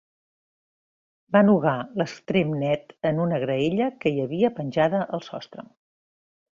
Va nugar l'extrem net en una graella que hi havia penjada al sostre.